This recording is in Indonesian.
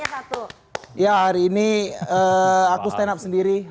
justru adalah wed marked those day setting